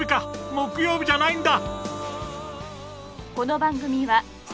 木曜日じゃないんだ！